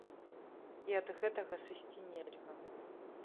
І ад гэтага сысці нельга.